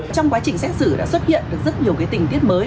trong quá trình xét xử đã xuất hiện được rất nhiều tình tiết mới